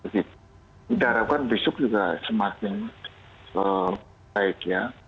kita harapkan besok juga semakin baik ya